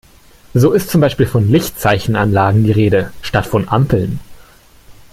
So ist zum Beispiel von Lichtzeichenanlagen die Rede, statt von Ampeln.